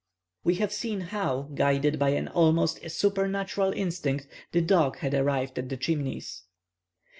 We have seen how, guided by an almost supernatural instinct, the dog had arrived at the Chimneys.